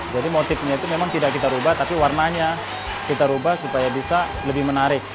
jadi motifnya itu memang tidak kita rubah tapi warnanya kita rubah supaya bisa lebih menarik